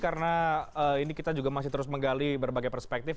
karena ini kita juga masih terus menggali berbagai perspektif